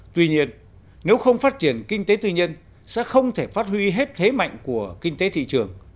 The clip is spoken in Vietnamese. tuy nhiên nếu không phát triển kinh tế tư nhân sẽ không thể phát huy hết thế mạnh của kinh tế thị trường